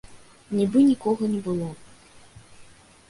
Нібы нікога не было.